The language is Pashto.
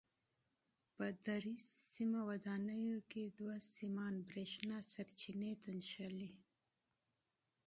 په درې سیمه ودانیو کې دوه سیمان برېښنا سرچینې ته نښلي.